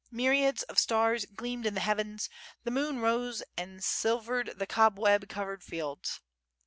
Myriads of stars gleamed in the heavens; the moon rose and silvered the cob web covered fields.